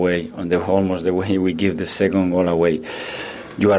atau hampir saja cara kita memberikan kemudi kedua